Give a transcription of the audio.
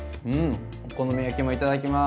お好み焼きもいただきます！